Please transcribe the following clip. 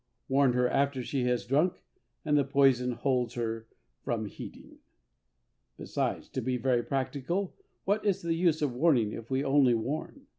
Warn her after she has drunk, and the poison holds her from heeding. Besides, to be very practical, what is the use of warning if we may only warn?